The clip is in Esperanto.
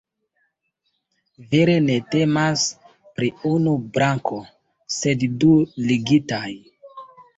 Vere ne temas pri unu brako, sed du ligitaj.